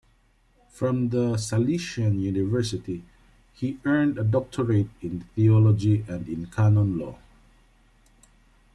From the Salesian University he earned a doctorate in theology and in canon law.